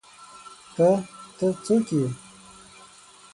_ته، ته، څوک يې؟